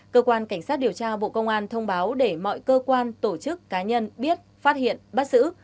cơ quan cảnh sát điều tra bộ công an thông báo để mọi cơ quan tổ chức cá nhân biết phát hiện bắt xử